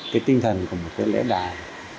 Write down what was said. cái tinh thần của một cái lễ đài